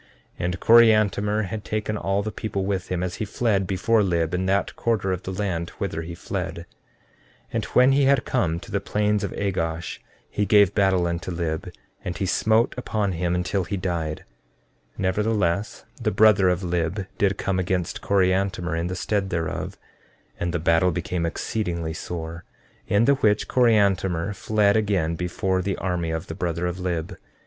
And Coriantumr had taken all the people with him as he fled before Lib in that quarter of the land whither he fled. 14:16 And when he had come to the plains of Agosh he gave battle unto Lib, and he smote upon him until he died; nevertheless, the brother of Lib did come against Coriantumr in the stead thereof, and the battle became exceedingly sore, in the which Coriantumr fled again before the army of the brother of Lib.